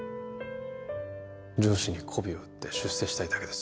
上司にこびを売って出世したいだけです